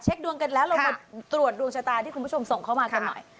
ดวงกันแล้วเรามาตรวจดวงชะตาที่คุณผู้ชมส่งเข้ามากันหน่อย